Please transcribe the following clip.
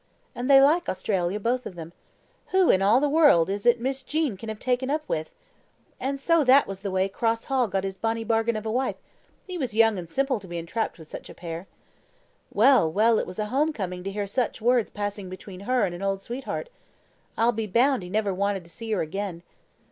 And they like Australia both of them. Who, in all the world, is it Miss Jean can have taken up with? And so that was the way Cross Hall got his bonny bargain of a wife; he was young and simple to be entrapped with such a pair. Well, well! it was a home coming to hear such words passing between her and an old sweetheart. I'll be bound he never wanted to see her again.